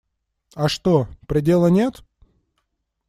А что, предела нет?